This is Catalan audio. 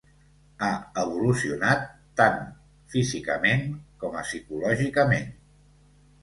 Ha evolucionat, tant físicament com a psicològicament.